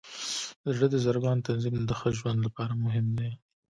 د زړه د ضربان تنظیم د ښه ژوند لپاره مهم دی.